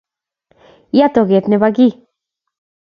Yaaa toget nebo kiy